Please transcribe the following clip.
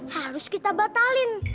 harus kita batalin